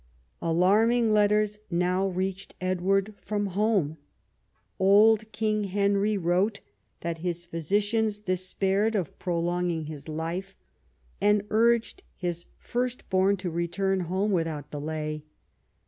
Alarming letters now reached Edward from home. Old King Henry wrote that his physicians despaired of pro longing his life, and urged his first born to return home without delay.